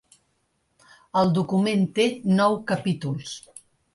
El document té nou capítols.